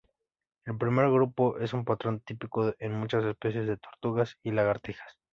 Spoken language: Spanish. El primer grupo, es un patrón típico en muchas especies de tortugas y lagartijas.